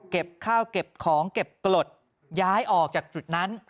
เก็บข้าวเก็บของเก็บกรดย้ายออกจากจุดนั้น